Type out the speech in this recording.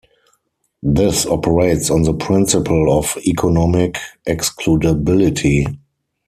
This operates on the principle of economic excludability.